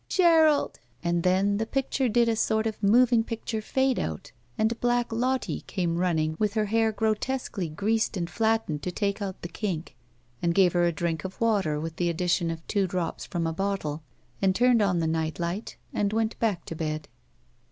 "Gerald!" And then the picture did a sort of moving picture fade out, and black Lottie came running with her hair grotesquely greased and flattened to take out the kink, and gave her a drink of water with the addition of two drops from a bottle, and turned on the night light and went back to bed.